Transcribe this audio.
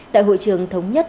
tại hội trường thống nhất